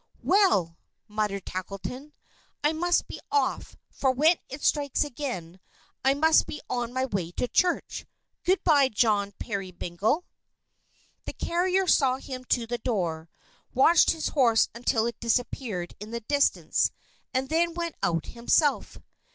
"Well!" muttered Tackleton. "I must be off, for when it strikes again, I must be on my way to church. Good by, John Peerybingle." The carrier saw him to the door, watched his horse until it disappeared in the distance, and then went out himself.